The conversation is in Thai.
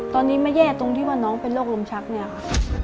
ตอนนี้ไม่แย่ตรงที่ว่าน้องเป็นโรคลมชักเนี่ยค่ะ